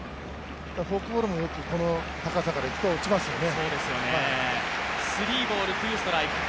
フォークボールも、この高さからいくと、よく落ちますよね。